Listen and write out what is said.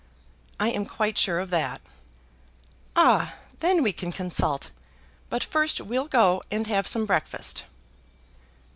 "I am quite sure of that." "Ah! then we can consult. But first we'll go and have some breakfast."